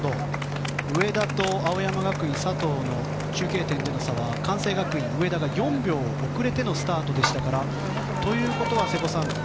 上田と青山学院、佐藤の中継点での差は関西学院の上田が４秒遅れてのスタートでしたからということは瀬古さん